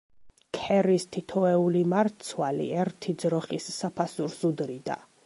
ქერის თითოეული მარცვალი ერთი ძროხის საფასურს უდრიდა.